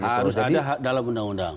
harus ada dalam undang undang